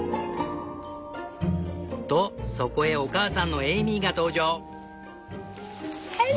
とそこへお母さんのエイミーが登場。